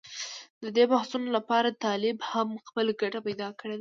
د دې بحثونو لپاره طالب هم خپل ګټې پېدا کړې دي.